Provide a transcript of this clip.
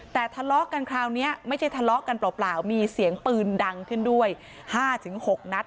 แต่ทะเลาะกันคราวนี้ไม่ใช่ทะเลาะกันเปล่ามีเสียงปืนดังขึ้นด้วย๕๖นัด